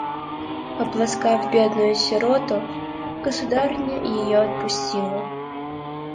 Обласкав бедную сироту, государыня ее отпустила.